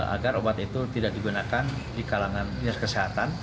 agar obat itu tidak digunakan di kalangan dinas kesehatan